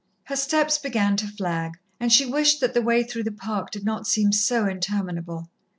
Her steps began to flag, and she wished that the way through the Park did not seem so interminable.